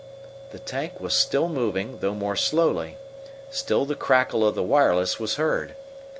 The tank was still moving, though more slowly. Still the crackle of the wireless was heard.